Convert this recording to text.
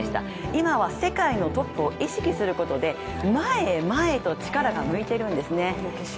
今は世界のトップを意識することで前へ前へと力が向いているんですね。